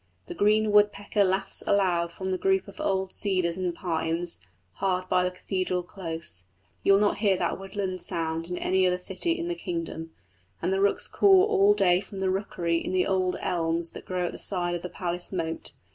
The green woodpecker laughs aloud from the group of old cedars and pines, hard by the cathedral close you will not hear that woodland sound in any other city in the kingdom; and the rooks caw all day from the rookery in the old elms that grow at the side of the palace moat.